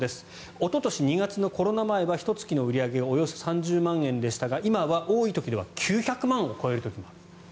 おととし２月のコロナ前はひと月の売り上げがおよそ３０万円でしたが今は多い時には９００万円を超える時もある。